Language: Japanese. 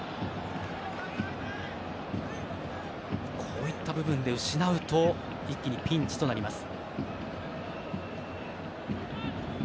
こういった部分で失うと一気にピンチとなります。